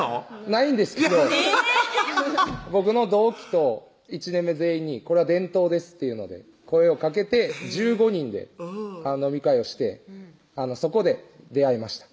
ないんですけど僕の同期と１年目全員に「これは伝統です」っていうので声をかけて１５人で飲み会をしてそこで出会いました